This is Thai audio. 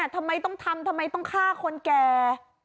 ทำไมต้องทำทำไมต้องฆ่าคนแก่